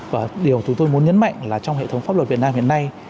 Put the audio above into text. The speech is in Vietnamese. và điều chúng tôi muốn nhấn mạnh là trong hệ thống pháp luật việt nam hiện nay